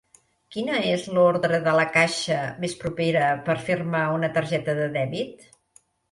Quina és l'ordre de la caixa més propera per fer-me una targeta de dèbit?